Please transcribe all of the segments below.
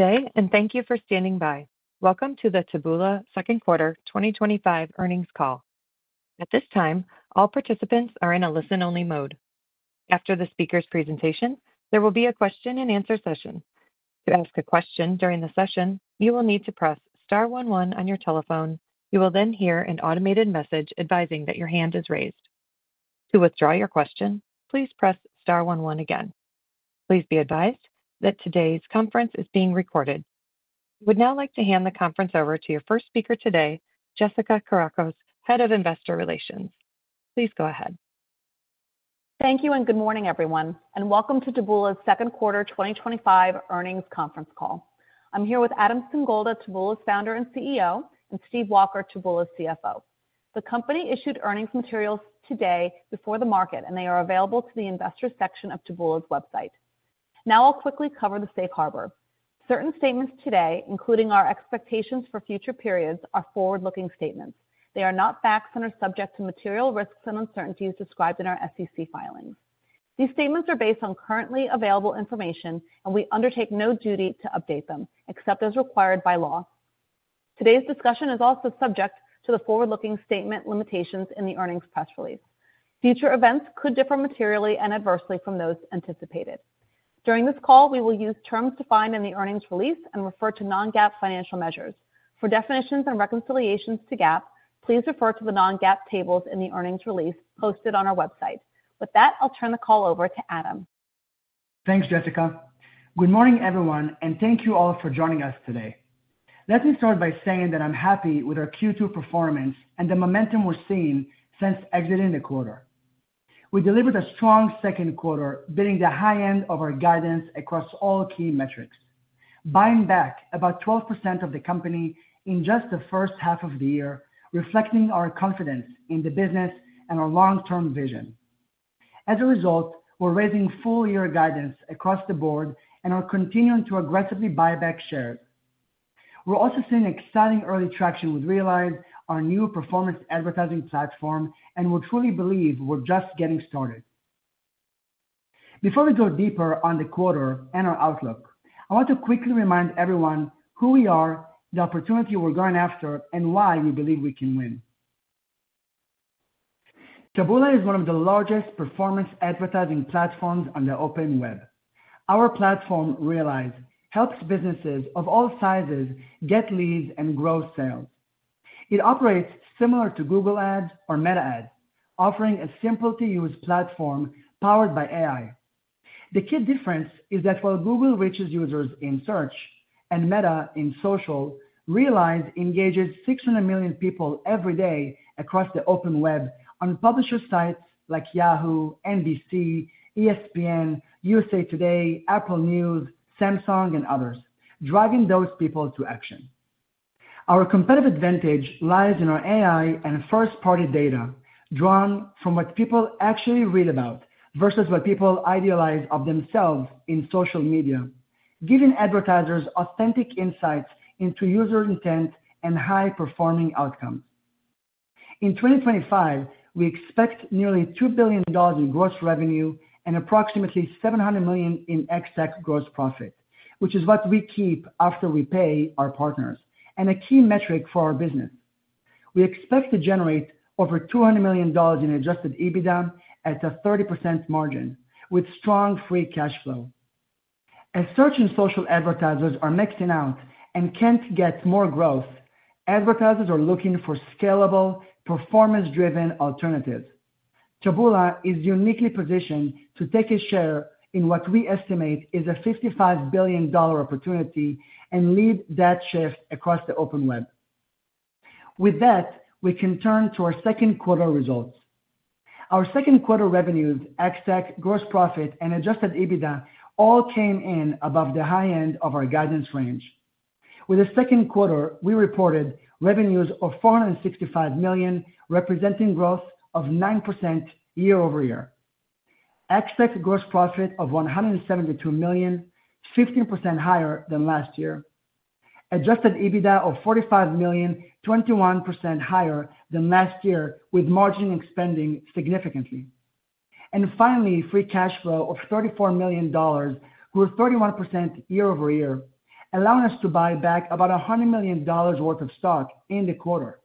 Today, and thank you for standing by. Welcome to the Taboola second quarter 2025 earnings call. At this time, all participants are in a listen-only mode. After the speaker's presentation, there will be a question-and-answer session. To ask a question during the session, you will need to press one one on your telephone. You will then hear an automated message advising that your hand is raised. To withdraw your question, please press one one again. Please be advised that today's conference is being recorded. We'd now like to hand the conference over to your first speaker today, Jessica Kourakos, Head of Investor Relations. Please go ahead. Thank you and good morning, everyone, and welcome to Taboola's second quarter 2025 earnings conference call. I'm here with Adam Singolda, Taboola's Founder and CEO, and Steve Walker, Taboola's CFO. The company issued earnings materials today before the market, and they are available to the investors section of Taboola's website. Now I'll quickly cover the safe harbor. Certain statements today, including our expectations for future periods, are forward-looking statements. They are not facts and are subject to material risks and uncertainties described in our SEC filing. These statements are based on currently available information, and we undertake no duty to update them except as required by law. Today's discussion is also subject to the forward-looking statement limitations in the earnings press release. Future events could differ materially and adversely from those anticipated. During this call, we will use terms defined in the earnings release and refer to non-GAAP financial measures. For definitions and reconciliations to GAAP, please refer to the non-GAAP tables in the earnings release posted on our website. With that, I'll turn the call over to Adam. Thanks, Jessica. Good morning, everyone, and thank you all for joining us today. Let me start by saying that I'm happy with our Q2 performance and the momentum we're seeing since exiting the quarter. We delivered a strong second quarter, beating the high end of our guidance across all key metrics, buying back about 12% of the company in just the first half of the year, reflecting our confidence in the business and our long-term vision. As a result, we're raising full-year guidance across the board and are continuing to aggressively buy back shares. We're also seeing exciting early traction with Realize, our new performance advertising platform, and we truly believe we're just getting started. Before we go deeper on the quarter and our outlook, I want to quickly remind everyone who we are, the opportunity we're going after, and why we believe we can win. Taboola. is one of the largest performance advertising platforms on the open web. Our platform, Realize, helps businesses of all sizes get leads and grow sales. It operates similar to Google Ads or Meta Ads, offering a simple-to-use platform powered by AI. The key difference is that while Google reaches users in search and Meta in social, Realize engages 600 million people every day across the open web on publisher sites like Yahoo, NBC, ESPN, USA Today, Apple, Samsung, and others, driving those people to action. Our competitive advantage lies in our AI and first-party data drawn from what people actually read about versus what people idealize of themselves in social media, giving advertisers authentic insights into user intent and high-performing outcomes. In 2025, we expect nearly $2 billion in gross revenue and approximately $700 million in ex-tech gross profit, which is what we keep after we pay our partners and a key metric for our business. We expect to generate over $200 million in adjusted EBITDA at a 30% margin with strong free cash flow. As search and social advertisers are maxing out and can't get more growth, advertisers are looking for scalable, performance-driven alternatives. Taboola. is uniquely positioned to take a share in what we estimate is a $55 billion opportunity and lead that shift across the open web. With that, we can turn to our second quarter results. Our second quarter revenues, ex-tech gross profit, and adjusted EBITDA all came in above the high end of our guidance range. With the second quarter, we reported revenues of $465 million, representing growth of 9% year-over-year. Ex-tech gross profit of $172 million, 15% higher than last year. Adjusted EBITDA of $45 million, 21% higher than last year, with margin expanding significantly. Finally, free cash flow of $34 million grew 31% year-over-year, allowing us to buy back about $100 million worth of stock in the quarter.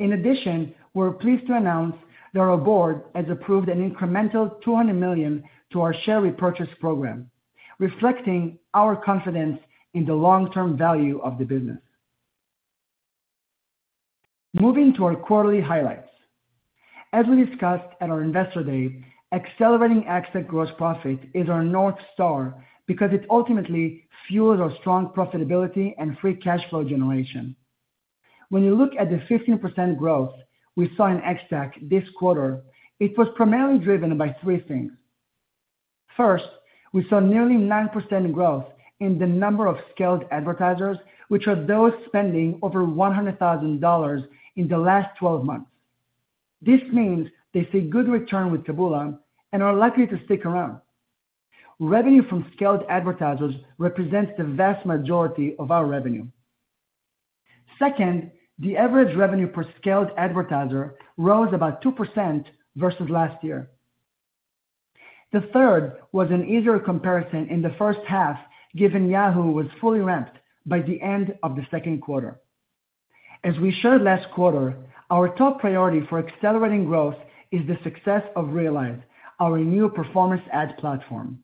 In addition, we're pleased to announce that our board has approved an incremental $200 million to our share repurchase program, reflecting our confidence in the long-term value of the business. Moving to our quarterly highlights. As we discussed at our investor day, accelerating ex-tech gross profit is our North Star because it ultimately fuels our strong profitability and free cash flow generation. When you look at the 15% growth we saw in ex-tech this quarter, it was primarily driven by three things. First, we saw nearly 9% growth in the number of scaled advertisers, which are those spending over $100,000 in the last 12 months. This means they see good returns with Taboola and are likely to stick around. Revenue from scaled advertisers represents the vast majority of our revenue. Second, the average revenue per scaled advertiser rose about 2% versus last year. The third was an easier comparison in the first half, given Yahoo was fully ramped by the end of the second quarter. As we shared last quarter, our top priority for accelerating growth is the success of Realize, our new performance ad platform.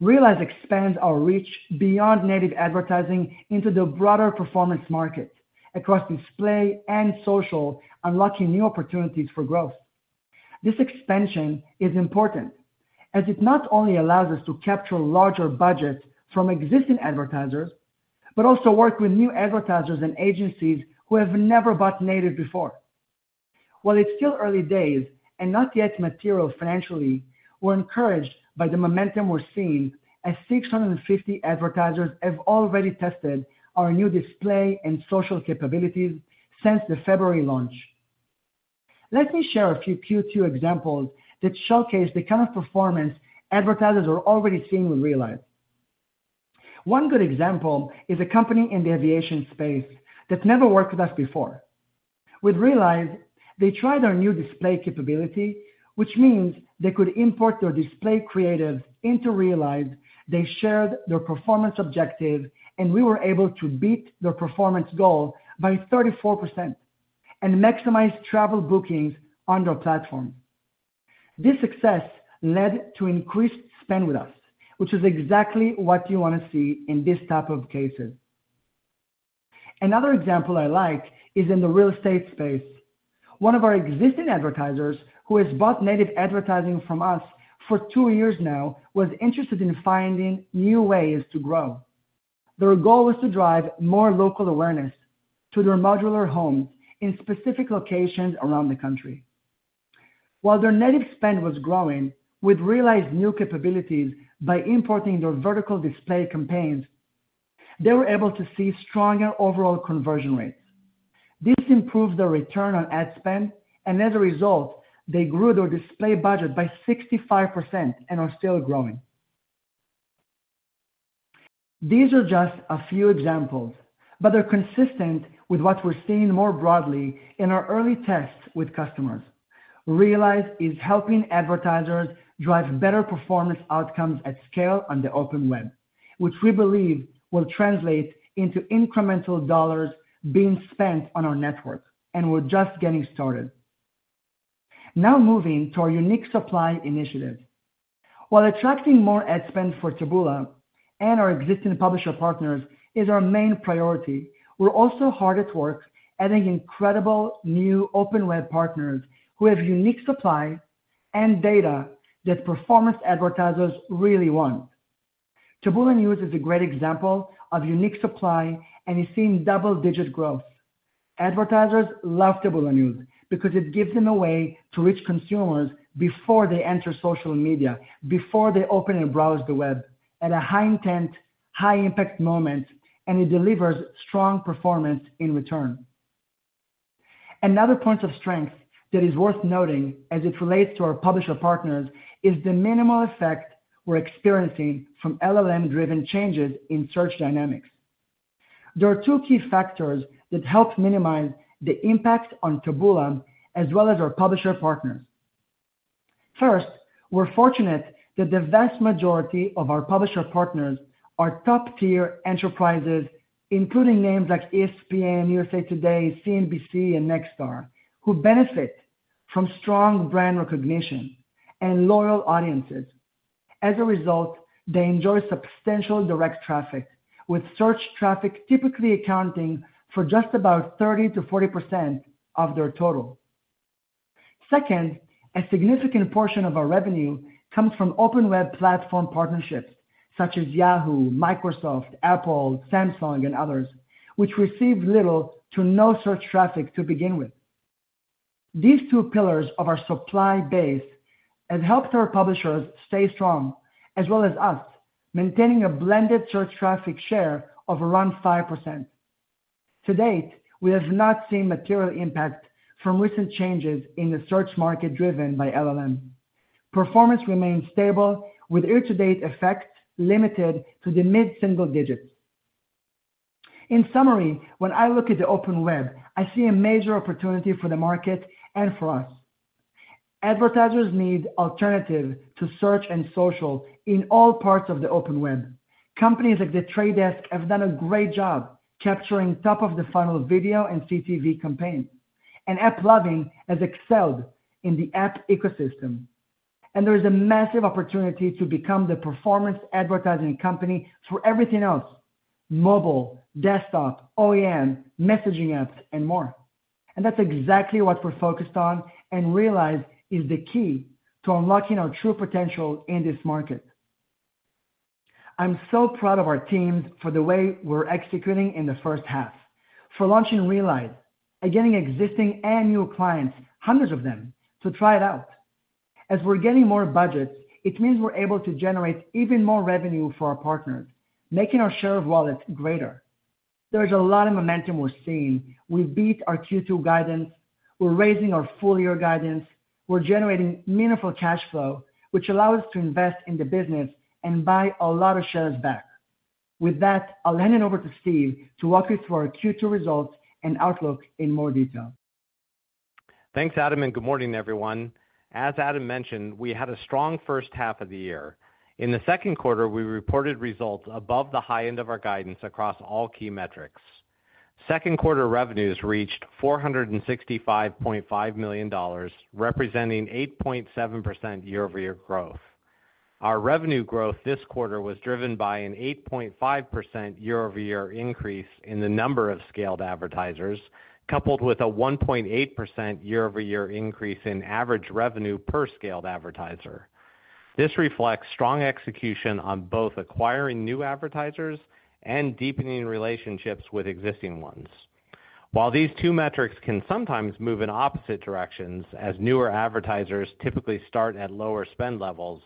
Realize expands our reach beyond native advertising into the broader performance market, across display and social, unlocking new opportunities for growth. This expansion is important as it not only allows us to capture larger budgets from existing advertisers, but also work with new advertisers and agencies who have never bought native before. While it's still early days and not yet material financially, we're encouraged by the momentum we're seeing as 650 advertisers have already tested our new display and social capabilities since the February launch. Let me share a few Q2 examples that showcase the kind of performance advertisers are already seeing with Realize. One good example is a company in the aviation space that never worked with us before. With Realize, they tried our new display capability, which means they could import their display creatives into Realize. They shared their performance objective, and we were able to beat their performance goal by 34% and maximize travel bookings on their platform. This success led to increased spend with us, which is exactly what you want to see in this type of cases. Another example I like is in the real estate space. One of our existing advertisers who has bought native advertising from us for two years now was interested in finding new ways to grow. Their goal was to drive more local awareness to their modular home in specific locations around the country. While their native spend was growing, with Realize's new capabilities by importing their vertical display campaigns, they were able to see stronger overall conversion rates. This improved their return on ad spend, and as a result, they grew their display budget by 65% and are still growing. These are just a few examples, but they're consistent with what we're seeing more broadly in our early tests with customers. Realize is helping advertisers drive better performance outcomes at scale on the open web, which we believe will translate into incremental dollars being spent on our network, and we're just getting started. Now moving to our unique supply initiative. While attracting more ad spend for Taboola and our existing publisher partners is our main priority, we're also hard at work adding incredible new open web partners who have unique supply and data that performance advertisers really want. Taboola News is a great example of unique supply and is seeing double-digit growth. Advertisers love Taboola News because it gives them a way to reach consumers before they enter social media, before they open and browse the web at a high-intent, high-impact moment, and it delivers strong performance in return. Another point of strength that is worth noting as it relates to our publisher partners is the minimal effect we're experiencing from LLM-driven changes in search dynamics. There are two key factors that help minimize the impact on Taboola as well as our publisher partners. First, we're fortunate that the vast majority of our publisher partners are top-tier enterprises, including names like ESPN, USA Today, CNBC, and Nexstar, who benefit from strong brand recognition and loyal audiences. As a result, they enjoy substantial direct traffic, with search traffic typically accounting for just about 30%-40% of their total. Second, a significant portion of our revenue comes from open web platform partnerships such as Yahoo, Microsoft, Apple, Samsung, and others, which receive little to no search traffic to begin with. These two pillars of our supply base have helped our publishers stay strong, as well as us, maintaining a blended search traffic share of around 5%. To date, we have not seen material impact from recent changes in the search market driven by LLM. Performance remains stable, with year-to-date effects limited to the mid-single digit. In summary, when I look at the open web, I see a major opportunity for the market and for us. Advertisers need alternatives to search and social in all parts of the open web. Companies like the Trade Desk have done a great job capturing top-of-the-funnel video and CTV campaigns, and AppLovin has excelled in the app ecosystem. There is a massive opportunity to become the performance advertising company for everything else: mobile, desktop, OEM, messaging apps, and more. That's exactly what we're focused on, and Realize is the key to unlocking our true potential in this market. I'm so proud of our teams for the way we're executing in the first half, for launching Realize and getting existing and new clients, hundreds of them, to try it out. As we're getting more budget, it means we're able to generate even more revenue for our partners, making our share of wallets greater. There's a lot of momentum we're seeing. We beat our Q2 guidance. We're raising our full-year guidance. We're generating meaningful cash flow, which allows us to invest in the business and buy a lot of shares back. With that, I'll hand it over to Steve to walk you through our Q2 results and outlook in more detail. Thanks, Adam, and good morning, everyone. As Adam mentioned, we had a strong first half of the year. In the second quarter, we reported results above the high end of our guidance across all key metrics. Second quarter revenues reached $465.5 million, representing 8.7% year-over-year growth. Our revenue growth this quarter was driven by an 8.5% year-over-year increase in the number of scaled advertisers, coupled with a 1.8% year-over-year increase in average revenue per scaled advertiser. This reflects strong execution on both acquiring new advertisers and deepening relationships with existing ones. While these two metrics can sometimes move in opposite directions, as newer advertisers typically start at lower spend levels,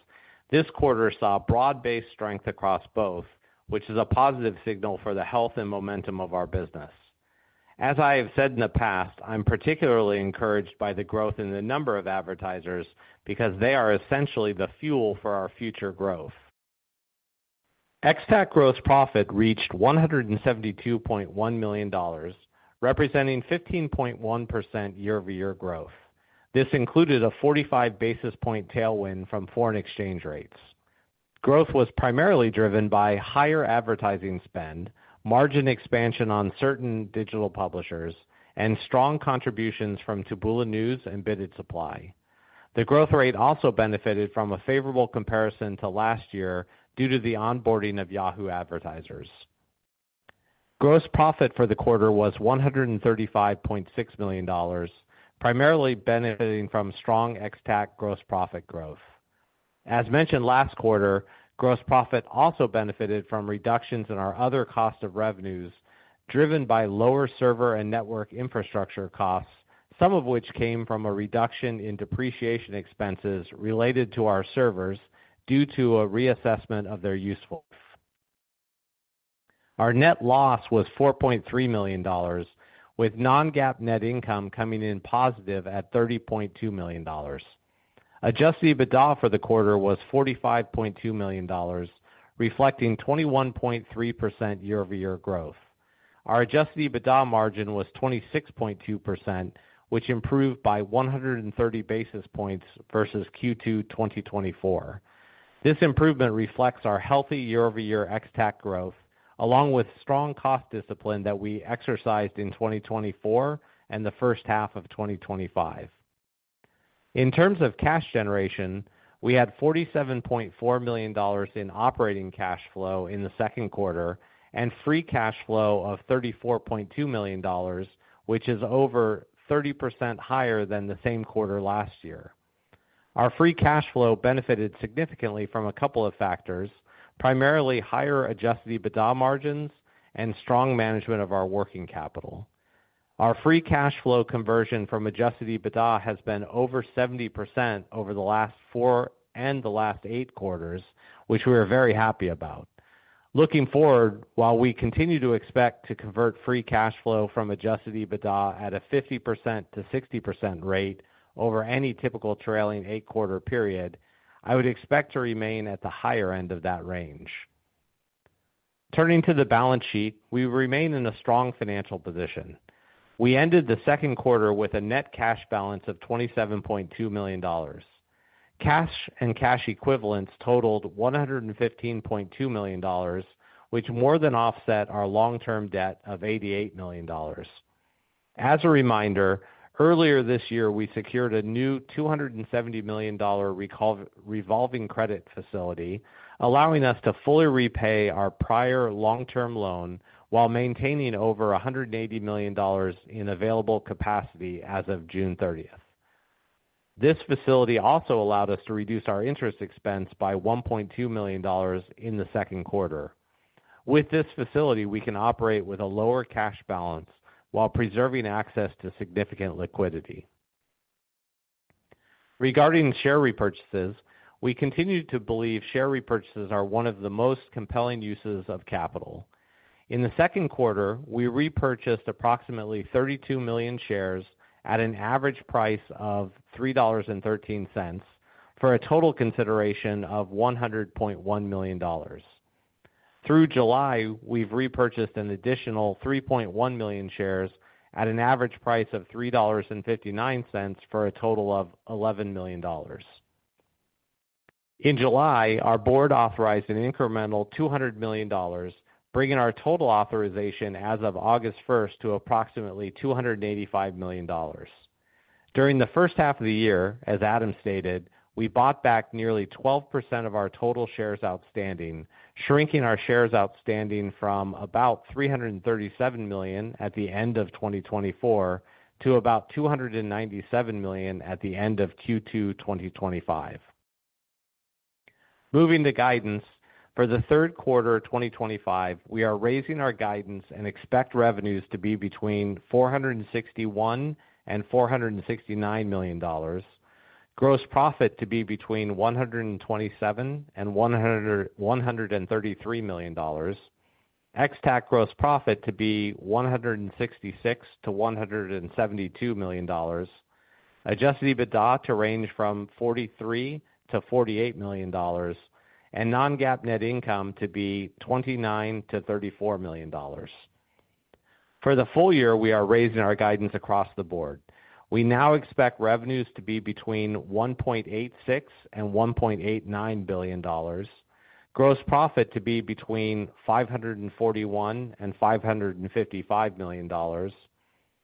this quarter saw broad-based strength across both, which is a positive signal for the health and momentum of our business. As I have said in the past, I'm particularly encouraged by the growth in the number of advertisers because they are essentially the fuel for our future growth. Ex-tech gross profit reached $172.1 million, representing 15.1% year-over-year growth. This included a 45 basis point tailwind from foreign exchange rates. Growth was primarily driven by higher advertising spend, margin expansion on certain digital publishers, and strong contributions from Taboola News and Bidded Supply. The growth rate also benefited from a favorable comparison to last year due to the onboarding of Yahoo advertisers. Gross profit for the quarter was $135.6 million, primarily benefiting from strong ex-tech gross profit growth. As mentioned last quarter, gross profit also benefited from reductions in our other cost of revenues, driven by lower server and network infrastructure costs, some of which came from a reduction in depreciation expenses related to our servers due to a reassessment of their usefulness. Our net loss was $4.3 million, with non-GAAP net income coming in positive at $30.2 million. Adjusted EBITDA for the quarter was $45.2 million, reflecting 21.3% year-over-year growth. Our adjusted EBITDA margin was 26.2%, which improved by 130 basis points versus Q2 2024. This improvement reflects our healthy year-over-year ex-tech growth, along with strong cost discipline that we exercised in 2024 and the first half of 2025. In terms of cash generation, we had $47.4 million in operating cash flow in the second quarter and free cash flow of $34.2 million, which is over 30% higher than the same quarter last year. Our free cash flow benefited significantly from a couple of factors, primarily higher adjusted EBITDA margins and strong management of our working capital. Our free cash flow conversion from adjusted EBITDA has been over 70% over the last four and the last eight quarters, which we are very happy about. Looking forward, while we continue to expect to convert free cash flow from adjusted EBITDA at a 50%-60% rate over any typical trailing eight-quarter period, I would expect to remain at the higher end of that range. Turning to the balance sheet, we remain in a strong financial position. We ended the second quarter with a net cash balance of $27.2 million. Cash and cash equivalents totaled $115.2 million, which more than offset our long-term debt of $88 million. As a reminder, earlier this year, we secured a new $270 million revolving credit facility, allowing us to fully repay our prior long-term loan while maintaining over $180 million in available capacity as of June 30th. This facility also allowed us to reduce our interest expense by $1.2 million in the second quarter. With this facility, we can operate with a lower cash balance while preserving access to significant liquidity. Regarding share repurchases, we continue to believe share repurchases are one of the most compelling uses of capital. In the second quarter, we repurchased approximately 32 million shares at an average price of $3.13 for a total consideration of $100.1 million. Through July, we've repurchased an additional 3.1 million shares at an average price of $3.59 for a total of $11 million. In July, our board authorized an incremental $200 million, bringing our total authorization as of August 1st to approximately $285 million. During the first half of the year, as Adam stated, we bought back nearly 12% of our total shares outstanding, shrinking our shares outstanding from about 337 million at the end of 2024 to about 297 million at the end of Q2 2025. Moving to guidance, for the third quarter 2025, we are raising our guidance and expect revenues to be between $461 million and $469 million, gross profit to be between $127 million and $133 million, ex-tech gross profit to be $166 million-$172 million, adjusted EBITDA to range from $43 million to $48 million, and non-GAAP net income to be $29 million-$34 million. For the full year, we are raising our guidance across the board. We now expect revenues to be between $1.86 billion and $1.89 billion, gross profit to be between $541 million and $555 million,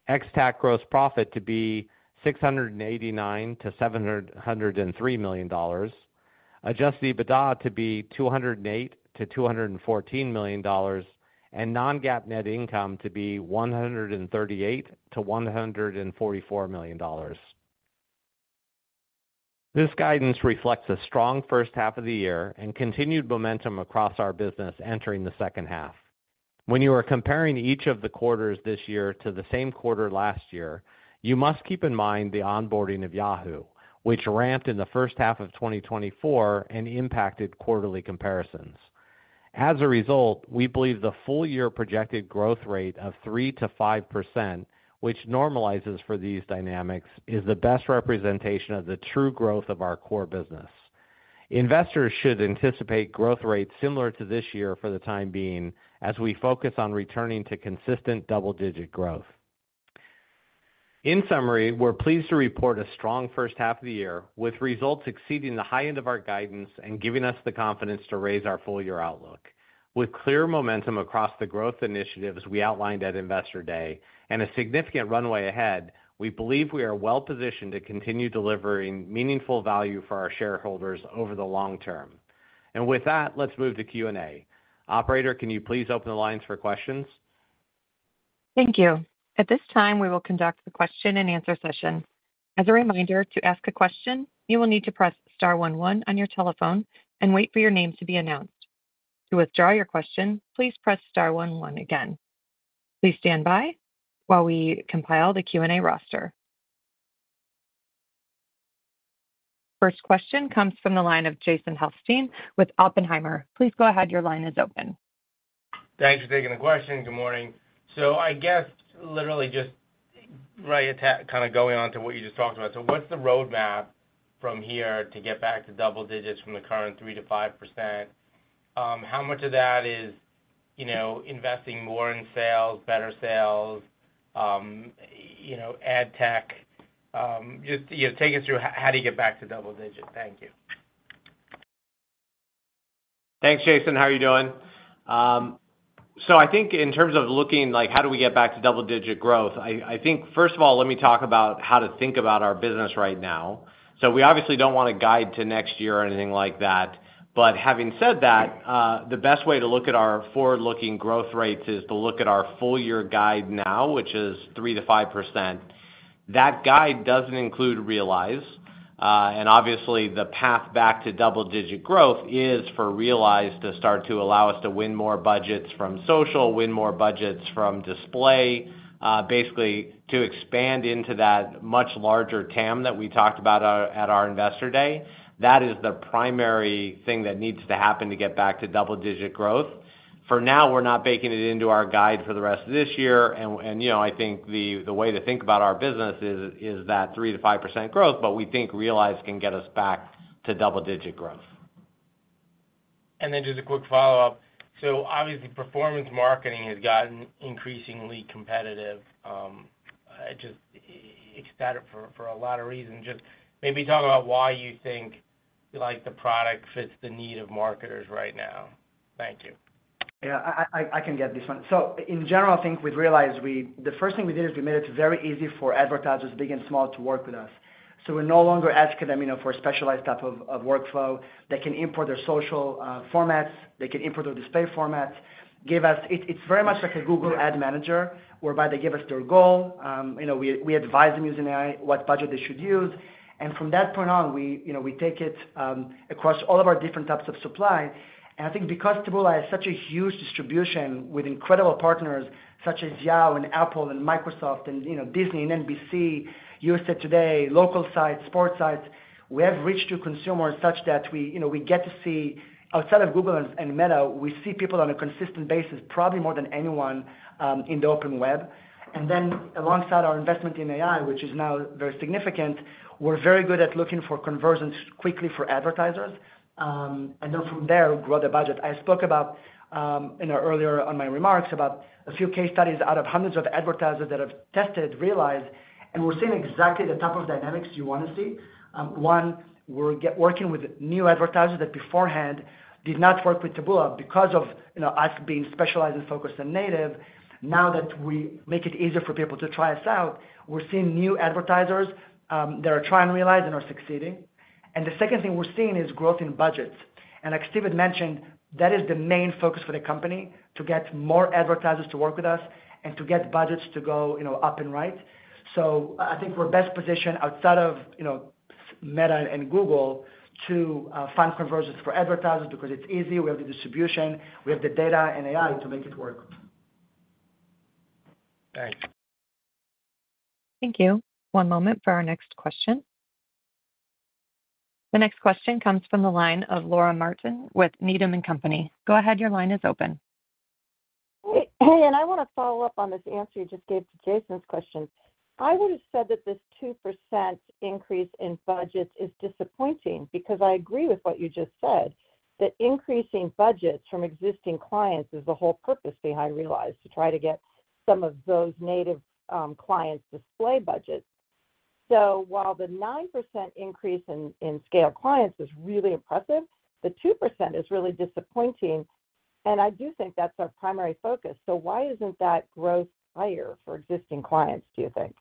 ex-tech gross profit to be $689 million-$703 million, adjusted EBITDA to be $208 million-$214 million, and non-GAAP net income to be $138 million-$144 million. This guidance reflects a strong first half of the year and continued momentum across our business entering the second half. When you are comparing each of the quarters this year to the same quarter last year, you must keep in mind the onboarding of Yahoo, which ramped in the first half of 2024 and impacted quarterly comparisons. As a result, we believe the full-year projected growth rate of 3%-5%, which normalizes for these dynamics, is the best representation of the true growth of our core business. Investors should anticipate growth rates similar to this year for the time being, as we focus on returning to consistent double-digit growth. In summary, we're pleased to report a strong first half of the year with results exceeding the high end of our guidance and giving us the confidence to raise our full-year outlook. With clear momentum across the growth initiatives we outlined at Investor Day and a significant runway ahead, we believe we are well-positioned to continue delivering meaningful value for our shareholders over the long term. With that, let's move to Q&A. Operator, can you please open the lines for questions? Thank you. At this time, we will conduct the question-and-answer session. As a reminder, to ask a question, you will need to press one one on your telephone and wait for your name to be announced. To withdraw your question, please press one one again. Please stand by while we compile the Q&A roster. First question comes from the line of Jason Helfstein with Oppenheimer. Please go ahead. Your line is open. Thanks for taking the question. Good morning. I guess literally just right at that, kind of going on to what you just talked about. What's the roadmap from here to get back to double digits from the current 3%-5%? How much of that is, you know, investing more in sales, better sales, you know, ad tech? Just, you know, take us through how to get back to double digit. Thank you. Thanks, Jason. How are you doing? I think in terms of looking like, how do we get back to double-digit growth? First of all, let me talk about how to think about our business right now. We obviously don't want to guide to next year or anything like that. Having said that, the best way to look at our forward-looking growth rates is to look at our full-year guide now, which is 3%-5%. That guide doesn't include Realize. Obviously, the path back to double-digit growth is for Realize to start to allow us to win more budgets from social, win more budgets from display, basically to expand into that much larger TAM that we talked about at our Investor Day. That is the primary thing that needs to happen to get back to double-digit growth. For now, we're not baking it into our guide for the rest of this year. I think the way to think about our business is that 3%-5% growth, but we think Realize can get us back to double-digit growth. Just a quick follow-up. Obviously, performance marketing has gotten increasingly competitive. It's static for a lot of reasons. Maybe talk about why you think you like the product fits the need of marketers right now. Thank you. Yeah, I can get this one. In general, I think with Realize, the first thing we did is we made it very easy for advertisers, big and small, to work with us. We're no longer asking them for a specialized type of workflow. They can import their social formats. They can import their display formats. It's very much like a Google Ad Manager, whereby they give us their goal. We advise them using AI what budget they should use. From that point on, we take it across all of our different types of supply. I think because Taboola has such a huge distribution with incredible partners such as Yahoo, Apple, Microsoft, Disney, NBC News, USA Today, local sites, sports sites, we have reach to consumers such that we get to see outside of Google and Meta, we see people on a consistent basis, probably more than anyone in the open web. Alongside our investment in AI, which is now very significant, we're very good at looking for conversions quickly for advertisers. From there, we grow the budget. I spoke earlier in my remarks about a few case studies out of hundreds of advertisers that have tested Realize. We're seeing exactly the type of dynamics you want to see. One, we're working with new advertisers that beforehand did not work with Taboola because of us being specialized and focused on native. Now that we make it easier for people to try us out, we're seeing new advertisers that are trying Realize and are succeeding. The second thing we're seeing is growth in budgets. As Steve Walker mentioned, that is the main focus for the company, to get more advertisers to work with us and to get budgets to go up and right. I think we're best positioned outside of Meta and Google to fund conversions for advertisers because it's easy. We have the distribution. We have the data and AI to make it work. Thanks. Thank you. One moment for our next question. The next question comes from the line of Laura Martin with Needham & Company. Go ahead. Your line is open. Hey, I want to follow up on this answer you just gave to Jason's question. I would have said that this 2% increase in budgets is disappointing because I agree with what you just said, that increasing budgets from existing clients is the whole purpose behind Realize, to try to get some of those native clients' display budgets. While the 9% increase in scale clients is really impressive, the 2% is really disappointing. I do think that's our primary focus. Why isn't that growth higher for existing clients, do you think?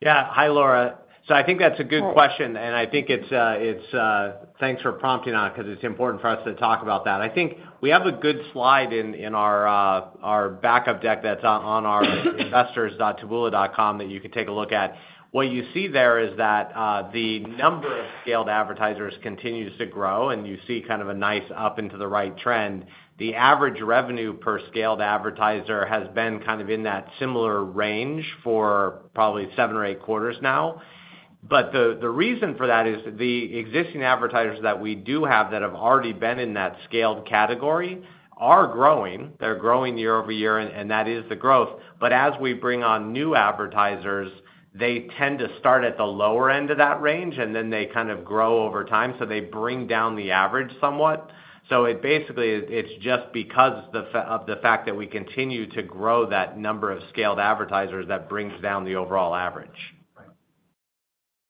Yeah. Hi, Laura. I think that's a good question. Thanks for prompting on it because it's important for us to talk about that. I think we have a good slide in our backup deck that's on our investors.taboola.com that you can take a look at. What you see there is that the number of scaled advertisers continues to grow, and you see kind of a nice up into the right trend. The average revenue per scaled advertiser has been kind of in that similar range for probably seven or eight quarters now. The reason for that is the existing advertisers that we do have that have already been in that scaled category are growing. They're growing year-over-year, and that is the growth. As we bring on new advertisers, they tend to start at the lower end of that range, and then they kind of grow over time. They bring down the average somewhat. It basically, it's just because of the fact that we continue to grow that number of scaled advertisers that brings down the overall average.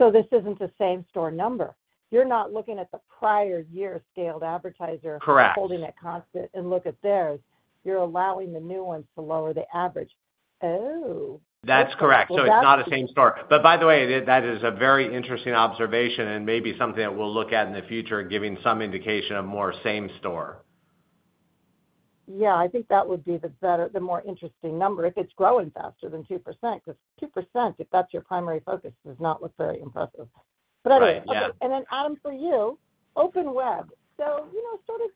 This isn't the same store number. You're not looking at the prior year scaled advertiser holding it constant and look at theirs. You're allowing the new ones to lower the average. That's correct. It's not a same store. By the way, that is a very interesting observation and maybe something that we'll look at in the future, giving some indication of more same store. Yeah, I think that would be the more interesting number if it's growing faster than 2% because 2%, if that's your primary focus, does not look very impressive. Anyway, Adam, for you, open web. You know, sort of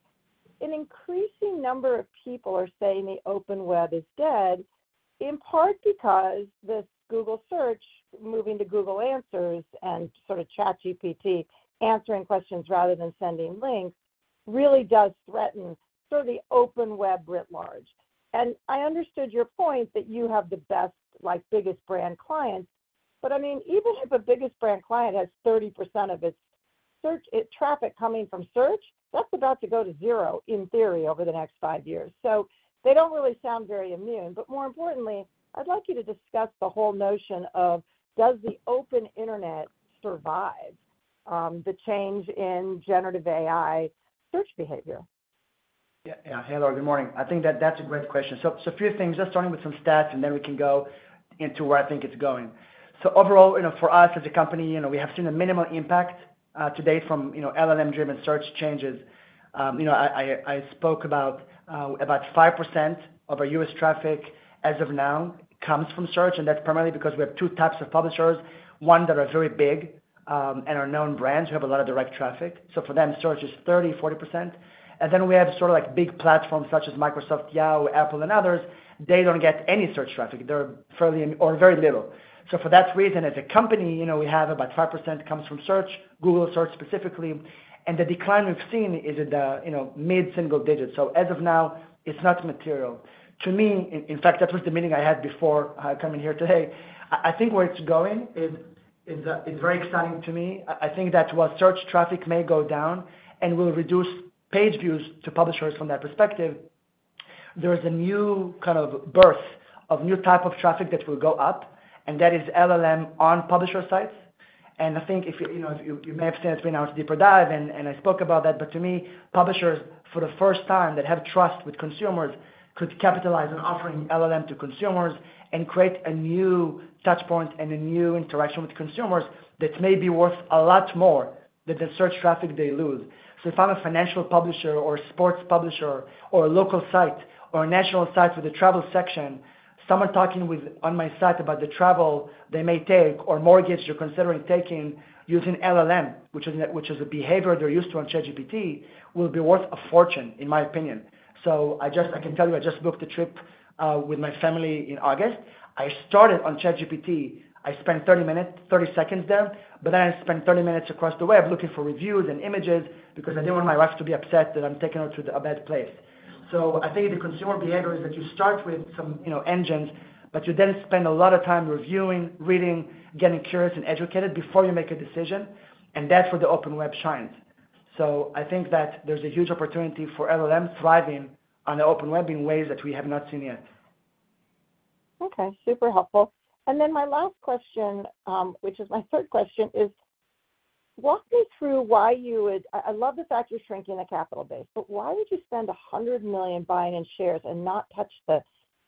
an increasing number of people are saying the open web is dead, in part because this Google Search, moving to Google Answers and sort of ChatGPT answering questions rather than sending links, really does threaten the open web writ large. I understood your point that you have the best, like, biggest brand clients. I mean, even if a biggest brand client has 30% of its traffic coming from search, that's about to go to zero in theory over the next five years. They don't really sound very immune. More importantly, I'd like you to discuss the whole notion of does the open Internet survive the change in generative AI search behavior? Yeah, yeah, hey Laura, good morning. I think that's a great question. A few things, just starting with some stats, and then we can go into where I think it's going. Overall, for us as a company, we have seen a minimal impact to date from LLM-driven search changes. I spoke about about 5% of our U.S. traffic as of now comes from search, and that's primarily because we have two types of publishers, ones that are very big and are known brands who have a lot of direct traffic. For them, Search is 30%, 40%. Then we have sort of like big platforms such as Microsoft, Yahoo, Apple, and others. They don't get any search traffic, or very little. For that reason, as a company, we have about 5% comes from Search, Google Search specifically. The decline we've seen is at the mid-single digit. As of now, it's not material. In fact, that was the meeting I had before coming here today. I think where it's going is very exciting to me. While search traffic may go down and will reduce page views to publishers from that perspective, there is a new kind of birth of new types of traffic that will go up, and that is LLM on publisher sites. I think if you may have seen it, we now have a deeper dive, and I spoke about that. To me, publishers for the first time that have trust with consumers could capitalize on offering LLM to consumers and create a new touchpoint and a new interaction with consumers that may be worth a lot more than the search traffic they lose. If I'm a financial publisher or a sports publisher or a local site or a national site with a travel section, someone talking on my site about the travel they may take or mortgage they're considering taking using LLM, which is a behavior they're used to on ChatGPT, will be worth a fortune, in my opinion. I can tell you I just booked a trip with my family in August. I started on ChatGPT. I spent 30 minutes, 30 s there, but then I spent 30 minutes across the web looking for reviews and images because I didn't want my wife to be upset that I'm taking her to a bad place. I think the consumer behavior is that you start with some engines, but you then spend a lot of time reviewing, reading, getting curious and educated before you make a decision. That's where the open web shines. I think that there's a huge opportunity for LLM thriving on the open web in ways that we have not seen yet. OK, super helpful. My last question, which is my third question, is walk me through why you would—I love the fact you're shrinking the capital base, but why would you spend $100 million buying in shares and not touch the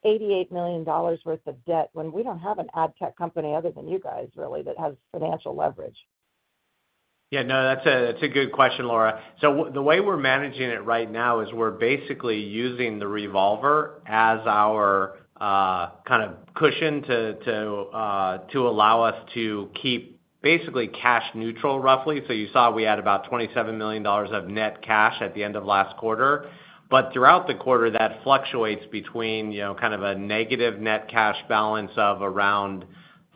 $88 million worth of debt when we don't have an ad tech company other than you guys, really, that has financial leverage? Yeah, no, that's a good question, Laura. The way we're managing it right now is we're basically using the revolver as our kind of cushion to allow us to keep basically cash neutral, roughly. You saw we had about $27 million of net cash at the end of last quarter. Throughout the quarter, that fluctuates between a negative net cash balance of around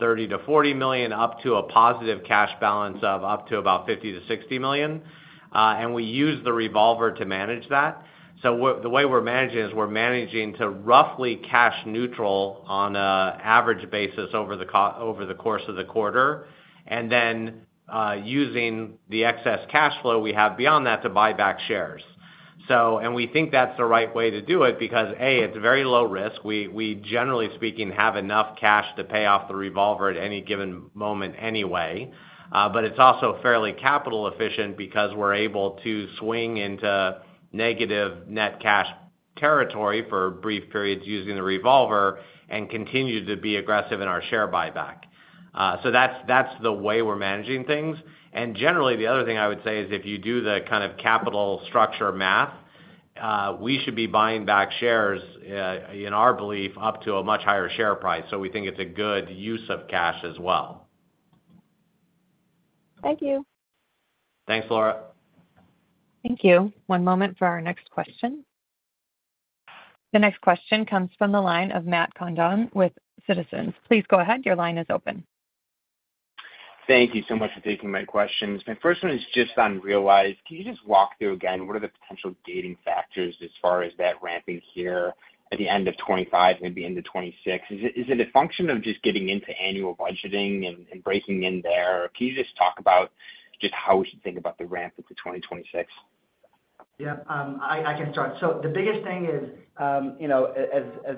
$30 million-$40 million up to a positive cash balance of up to about $50 million-$60 million. We use the revolver to manage that. The way we're managing is we're managing to roughly cash neutral on an average basis over the course of the quarter, then using the excess cash flow we have beyond that to buy back shares. We think that's the right way to do it because, A) it's very low risk. We generally speaking have enough cash to pay off the revolver at any given moment anyway. It's also fairly capital efficient because we're able to swing into negative net cash territory for brief periods using the revolver and continue to be aggressive in our share buyback. That's the way we're managing things. Generally, the other thing I would say is if you do the kind of capital structure math, we should be buying back shares, in our belief, up to a much higher share price. We think it's a good use of cash as well. Thank you. Thanks, Laura. Thank you. One moment for our next question. The next question comes from the line of Matt Condon with Citizens. Please go ahead. Your line is open. Thank you so much for taking my questions. My first one is just on Realize. Can you just walk through again, what are the potential gating factors as far as that ramping here at the end of 2025, maybe into 2026? Is it a function of just getting into annual budgeting and breaking in there? Can you just talk about just how we should think about the ramp into 2026? Yeah, I can start. The biggest thing is, as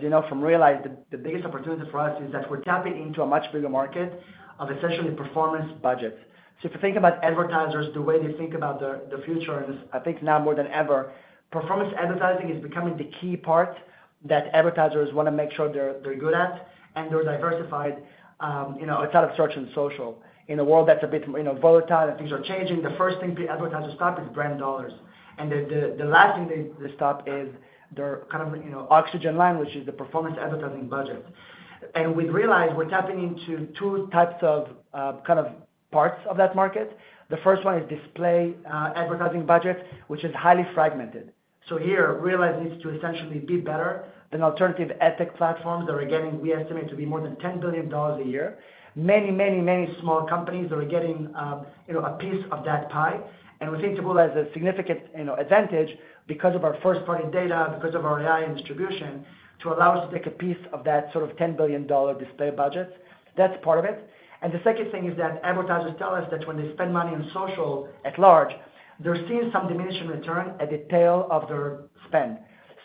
you know from Realize, the biggest opportunity for us is that we're tapping into a much bigger market of essentially performance budgets. If you think about advertisers, the way they think about the future is, I think now more than ever, performance advertising is becoming the key part that advertisers want to make sure they're good at. They're diversified outside of search and social. In a world that's a bit volatile and things are changing, the first thing advertisers stop is brand dollars. The last thing they stop is their kind of oxygen line, which is the performance advertising budget. With Realize, we're tapping into two types of parts of that market. The first one is display advertising budgets, which is highly fragmented. Here, Realize needs to essentially be better than alternative ad tech platforms that are getting, we estimate, to be more than $10 billion a year. Many, many, many small companies are getting a piece of that pie. We think Taboola has a significant advantage because of our first-party data, because of our AI and distribution to allow us to take a piece of that sort of $10 billion display budget. That's part of it. The second thing is that advertisers tell us that when they spend money on social at large, they're seeing some diminishing return at the tail of their spend.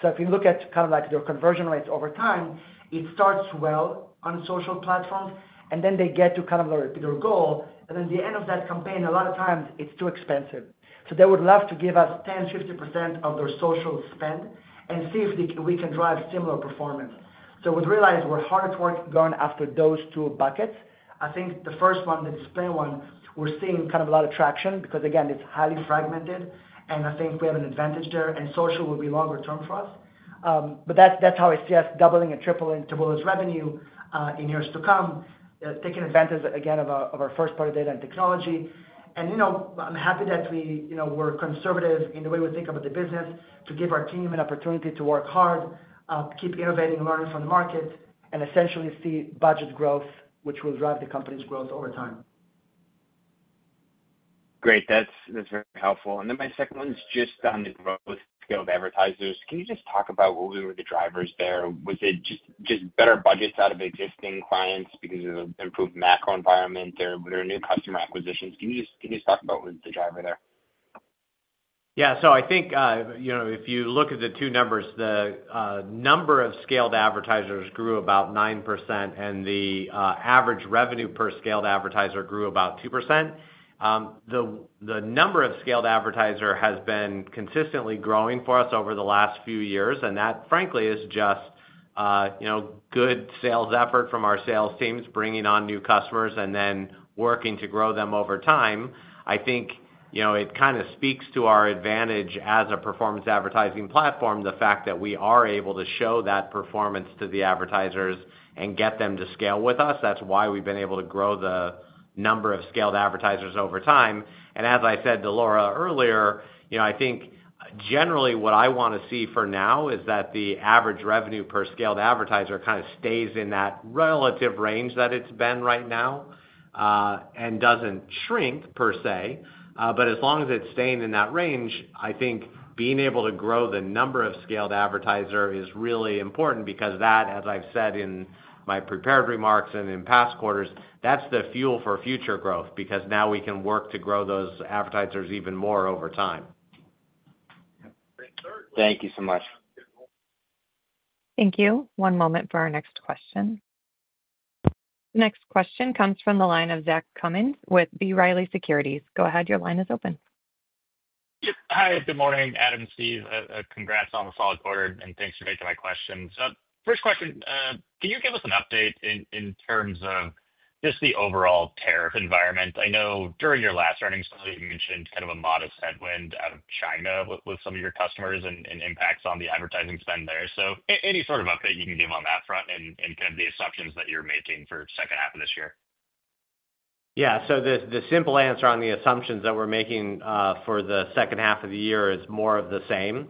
If you look at their conversion rates over time, it starts well on social platforms, and then they get to their goal. At the end of that campaign, a lot of times it's too expensive. They would love to give us 10%, 15% of their social spend and see if we can drive similar performance. With Realize, we're hard at work going after those two buckets. I think the first one, the display one, we're seeing a lot of traction because, again, it's highly fragmented. I think we have an advantage there, and social will be longer term for us. That's how I see us doubling and tripling Taboola's revenue in years to come, taking advantage, again, of our first-party data and technology. I'm happy that we were conservative in the way we think about the business to give our team an opportunity to work hard, keep innovating, learning from the markets, and essentially see budget growth, which will drive the company's growth over time. Great. That's very helpful. My second one is just on the growth of advertisers. Can you just talk about what were the drivers there? Was it just better budgets out of existing clients because of the improved macro environment? Were there new customer acquisitions? Can you just talk about what was the driver there? Yeah, I think if you look at the two numbers, the number of scaled advertisers grew about 9%, and the average revenue per scaled advertiser grew about 2%. The number of scaled advertisers has been consistently growing for us over the last few years. That, frankly, is just good sales effort from our sales teams bringing on new customers and then working to grow them over time. I think it kind of speaks to our advantage as a performance advertising platform, the fact that we are able to show that performance to the advertisers and get them to scale with us. That's why we've been able to grow the number of scaled advertisers over time. As I said to Laura earlier, I think generally what I want to see for now is that the average revenue per scaled advertiser kind of stays in that relative range that it's been right now and doesn't shrink per se. As long as it's staying in that range, I think being able to grow the number of scaled advertisers is really important because that, as I've said in my prepared remarks and in past quarters, that's the fuel for future growth because now we can work to grow those advertisers even more over time. Thank you so much. Thank you. One moment for our next question. The next question comes from the line of Zach Cummins with B. Riley Securities. Go ahead. Your line is open. Hi, good morning, Adam, Steve. Congrats on the fall quarter, and thanks for taking my questions. First question, can you give us an update in terms of just the overall tariff environment? I know during your last earnings, you mentioned kind of a modest headwind out of China with some of your customers and impacts on the advertising spend there. Any sort of update you can give on that front and the assumptions that you're making for the second half of this year? Yeah, so the simple answer on the assumptions that we're making for the second half of the year is more of the same.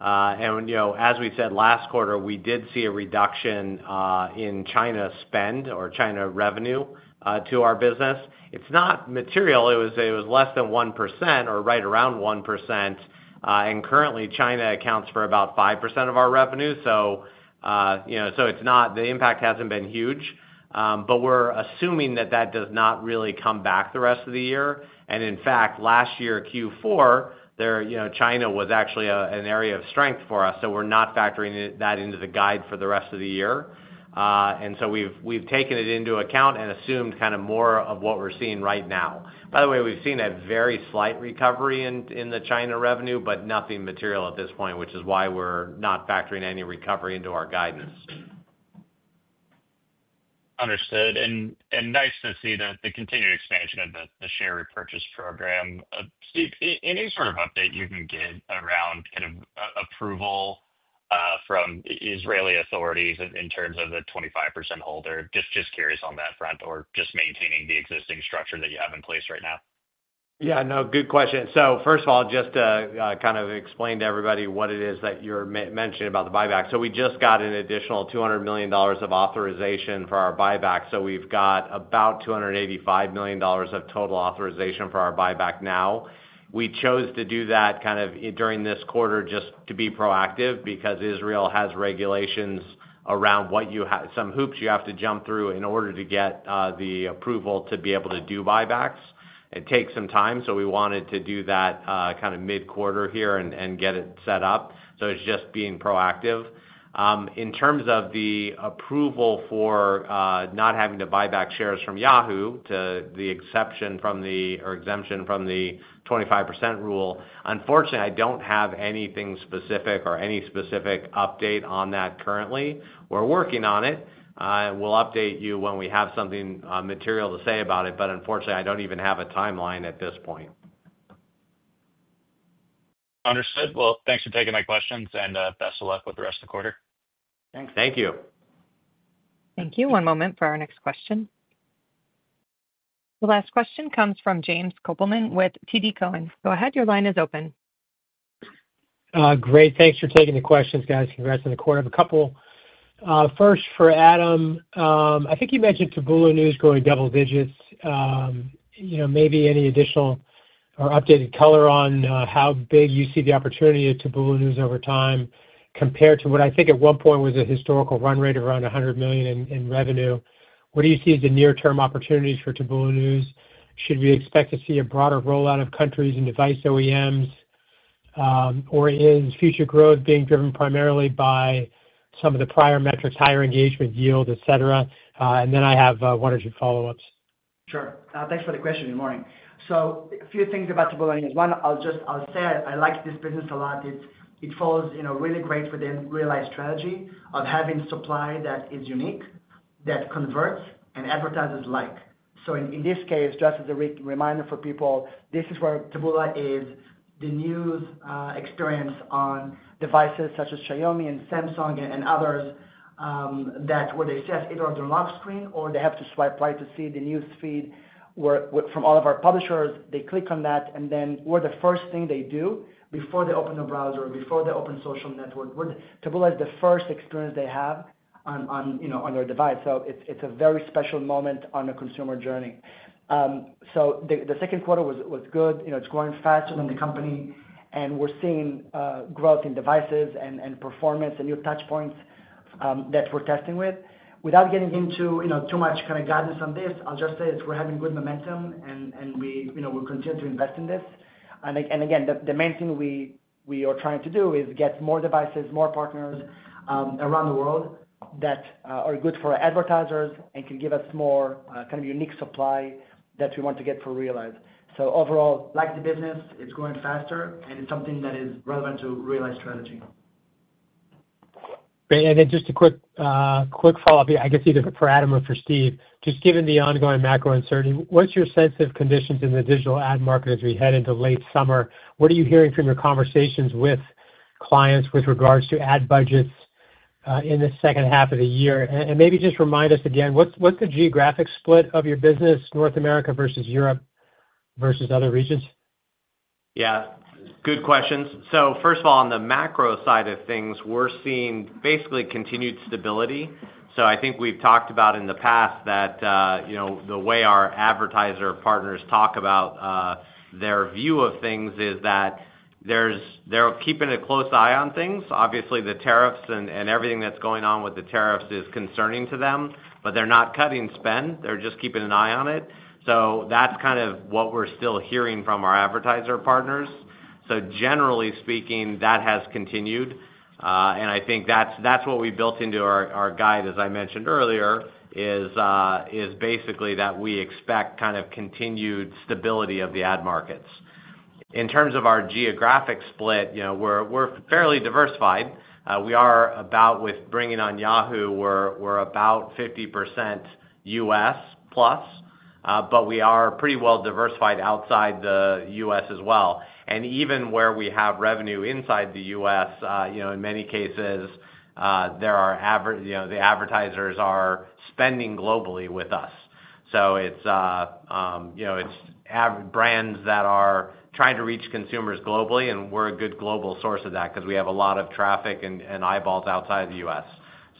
As we said last quarter, we did see a reduction in China spend or China revenue to our business. It's not material. It was less than 1% or right around 1%. Currently, China accounts for about 5% of our revenue. The impact hasn't been huge. We're assuming that does not really come back the rest of the year. In fact, last year Q4, China was actually an area of strength for us. We're not factoring that into the guide for the rest of the year. We've taken it into account and assumed kind of more of what we're seeing right now. By the way, we've seen a very slight recovery in the China revenue, but nothing material at this point, which is why we're not factoring any recovery into our guidance. Understood. Nice to see the continued expansion of the share repurchase program. Steve, any sort of update you can give around approval from Israeli authorities in terms of the 25% holder? Just curious on that front or maintaining the existing structure that you have in place right now. Yeah, no, good question. First of all, just to kind of explain to everybody what it is that you're mentioning about the buyback. We just got an additional $200 million of authorization for our buyback. We've got about $285 million of total authorization for our buyback now. We chose to do that kind of during this quarter just to be proactive because Israel has regulations around what you have, some hoops you have to jump through in order to get the approval to be able to do buybacks. It takes some time. We wanted to do that kind of mid-quarter here and get it set up. It's just being proactive. In terms of the approval for not having to buy back shares from Yahoo to the exemption from the 25% rule, unfortunately, I don't have anything specific or any specific update on that currently. We're working on it. We'll update you when we have something material to say about it. Unfortunately, I don't even have a timeline at this point. Understood. Thanks for taking my questions, and best of luck with the rest of the quarter. Thanks. Thank you. Thank you. One moment for our next question. The last question comes from James Kopelman with TD Cowen. Go ahead. Your line is open. Great. Thanks for taking the questions, guys. Congrats on the quarter. I have a couple. First, for Adam, I think you mentioned Taboola News going double digits. Maybe any additional or updated color on how big you see the opportunity of Taboola News over time compared to what I think at one point was a historical run rate around $100 million in revenue. What do you see as the near-term opportunities for Taboola News? Should we expect to see a broader rollout of countries and device OEMs? Is future growth being driven primarily by some of the prior metrics, higher engagement, yield, et cetera? I have one or two follow-ups. Sure. Thanks for the question. Good morning. A few things about Taboola News. One, I'll just say I like this business a lot. It falls really great within Realize's strategy of having supply that is unique, that converts, and advertisers like. In this case, just as a reminder for people, this is where Taboola is the news experience on devices such as Xiaomi and Samsung and others where they just either have their lock screen or they have to swipe right to see the news feed from all of our publishers. They click on that, and then we're the first thing they do before they open a browser, before they open a social network. Taboola is the first experience they have on their device. It's a very special moment on the consumer journey. The second quarter was good. It's growing faster than the company, and we're seeing growth in devices and performance and new touchpoints that we're testing with. Without getting into too much kind of guidance on this, I'll just say we're having good momentum, and we will continue to invest in this. Again, the main thing we are trying to do is get more devices, more partners around the world that are good for advertisers and can give us more kind of unique supply that we want to get for Realize. Overall, I like the business. It's growing faster, and it's something that is relevant to Realize's strategy. Just a quick follow-up here, I guess either for Adam or for Steve. Given the ongoing macro uncertainty, what's your sense of conditions in the digital ad market as we head into late summer? What are you hearing from your conversations with clients with regards to ad budgets in the second half of the year? Maybe just remind us again, what's the geographic split of your business, North America versus Europe versus other regions? Yeah, good questions. First of all, on the macro side of things, we're seeing basically continued stability. I think we've talked about in the past that the way our advertiser partners talk about their view of things is that they're keeping a close eye on things. Obviously, the tariffs and everything that's going on with the tariffs is concerning to them, but they're not cutting spend. They're just keeping an eye on it. That's kind of what we're still hearing from our advertiser partners. Generally speaking, that has continued. I think that's what we built into our guide, as I mentioned earlier, is basically that we expect kind of continued stability of the ad markets. In terms of our geographic split, we're fairly diversified. With bringing on Yahoo, we're about 50% U.S. plus, but we are pretty well diversified outside the U.S. as well. Even where we have revenue inside the U.S., in many cases, the advertisers are spending globally with us. It's brands that are trying to reach consumers globally, and we're a good global source of that because we have a lot of traffic and eyeballs outside of the U.S.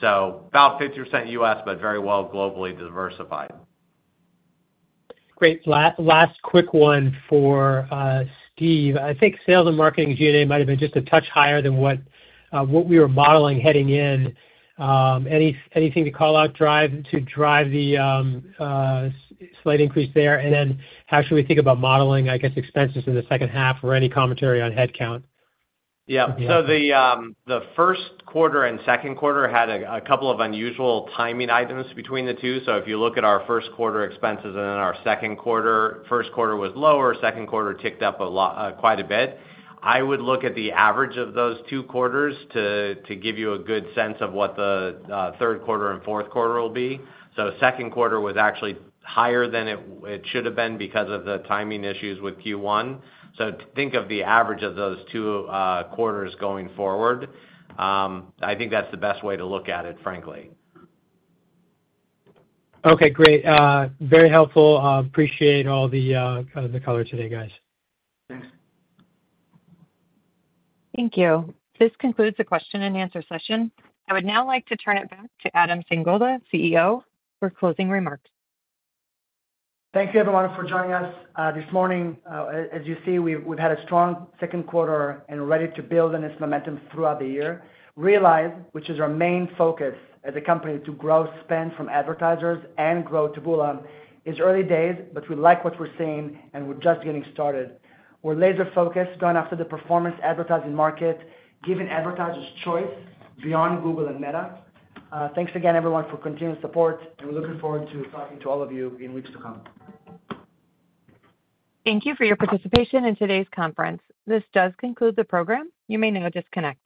About 50% U.S., but very well globally diversified. Great. Last quick one for Steve. I think sales and marketing G&A might have been just a touch higher than what we were modeling heading in. Anything to call out to drive the slight increase there? How should we think about modeling, I guess, expenses in the second half or any commentary on headcount? The first quarter and second quarter had a couple of unusual timing items between the two. If you look at our first quarter expenses and then our second quarter, first quarter was lower, second quarter ticked up quite a bit. I would look at the average of those two quarters to give you a good sense of what the third quarter and fourth quarter will be. Second quarter was actually higher than it should have been because of the timing issues with Q1. Think of the average of those two quarters going forward. I think that's the best way to look at it, frankly. OK, great. Very helpful. Appreciate all the color today, guys. Thanks. Thank you. This concludes the question-and-answer session. I would now like to turn it back to Adam Singolda, CEO, for closing remarks. Thank you, everyone, for joining us this morning. As you see, we've had a strong second quarter, and we're ready to build on this momentum throughout the year. Realize, which is our main focus as a company to grow spend from advertisers and grow Taboola, is early days, but we like what we're seeing, and we're just getting started. We're laser-focused, going after the performance advertising market, giving advertisers choice beyond Google and Meta. Thanks again, everyone, for continued support, and we're looking forward to talking to all of you in weeks to come. Thank you for your participation in today's conference. This does conclude the program. You may now disconnect.